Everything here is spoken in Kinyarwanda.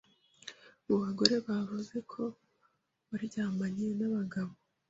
Mu bagore bavuze ko baryamanye n’abagabo